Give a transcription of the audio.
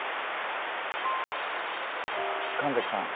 神崎さん。